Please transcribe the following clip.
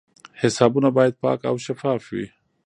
حسابونه باید پاک او شفاف وي.